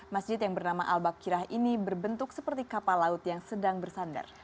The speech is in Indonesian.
masjid yang bernama al baqirah ini berbentuk seperti kapal laut yang sedang bersandar